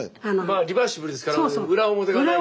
まあリバーシブルですから。